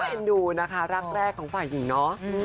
เอ็นดูนะคะรักแรกของฝ่ายหญิงเนาะ